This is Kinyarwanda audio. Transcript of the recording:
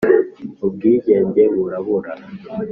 Ubwigenge burabura,